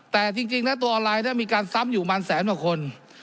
แต่จริงจริงแน็ตตัวออนไลน์น่ะมีการซ้ำอยู่มาสิบแสนวันคน